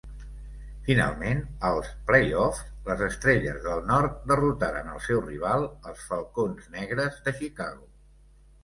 Finalment, als playoffs, les estrelles del nord derrotaren el seu rival, els falcons negres de Chicago.